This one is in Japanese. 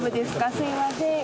すいません。